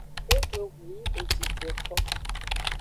E xwle ehun yi eji joeko.